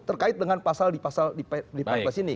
terkait dengan pasal di pansus ini